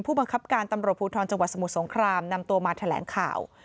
บังคับการตำรวจภูทรจังหวัดสมุทรสงครามนำตัวมาแถลงข่าว